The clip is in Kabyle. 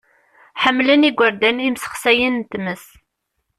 Ḥemmlen yigerdan imsexsayen n tmes.